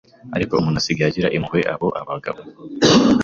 Ariko umuntu asigaye agirira impuhwe abo bagabo